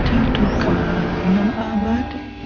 terdukang mlib air